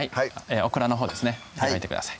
オクラのほうですね湯がいてください